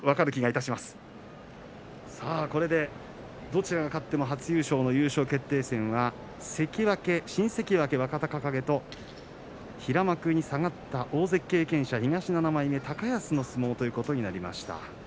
さあ、これでどちらが勝っても初優勝、優勝決定戦は新関脇若隆景と平幕に下がった大関経験者東７枚目、高安の相撲ということになります。